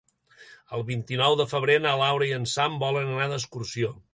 El vint-i-nou de febrer na Laura i en Sam volen anar d'excursió.